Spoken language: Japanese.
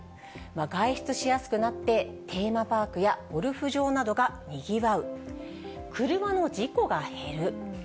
外出しやすくなって、テーマパークやゴルフ場などがにぎわう、車の事故が減る。